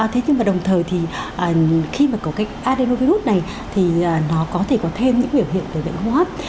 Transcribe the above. thế nhưng mà đồng thời thì khi mà có cái adeno virus này thì nó có thể có thêm những biểu hiện về bệnh hoác